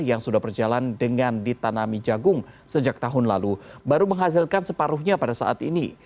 yang sudah berjalan dengan ditanami jagung sejak tahun lalu baru menghasilkan separuhnya pada saat ini